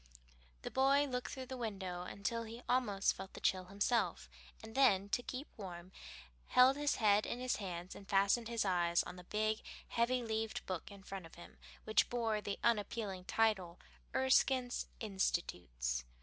The boy looked through the window until he almost felt the chill himself, and then, to keep warm, held his head in his hands and fastened his eyes on the big, heavy leaved book in front of him, which bore the unappealing title, Erskine's "Institutes."